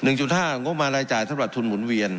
ห้างบมารายจ่ายสำหรับทุนหมุนเวียน